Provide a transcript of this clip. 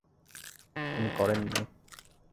তিনি করেননি।